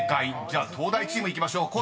じゃあ東大チームいきましょう。